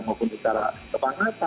maupun secara ke pangkat